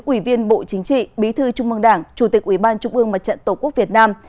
ủy viên bộ chính trị bí thư trung mương đảng chủ tịch ủy ban trung ương mặt trận tổ quốc việt nam